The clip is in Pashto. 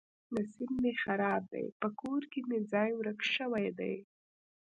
نصیب مې خراب دی. په کور کلي کې مې ځای ورک شوی دی.